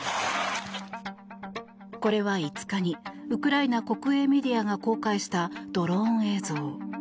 これは５日にウクライナ国営メディアが公開したドローン映像。